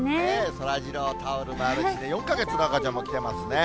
そらジロータオル回して、４か月の赤ちゃんも来てますね。